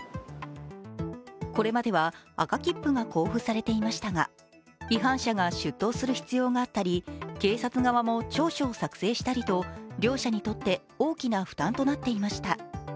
これまでは赤切符が交付されていましたが、違反者が出頭する必要があったり警察側も調書を作成したりと両者にとって大きな負担となっていました。